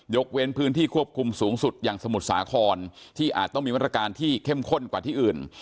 เว้นพื้นที่ควบคุมสูงสุดอย่างสมุทรสาครที่อาจต้องมีมาตรการที่เข้มข้นกว่าที่อื่น